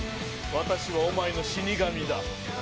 私はお前の死神だ。